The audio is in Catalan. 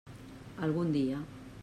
Algun dia.